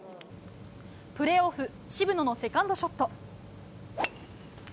プレーオフ、渋野のセカンドショット。